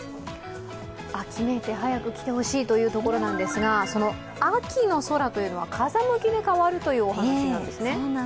秋めいて早くきてほしいというところですが、秋の空というのは風向きで変わるいうお話ですね。